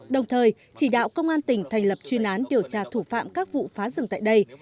đồng thời chỉ đạo công an tỉnh thành lập chuyên án điều tra thủ phạm các vụ phá rừng tại đây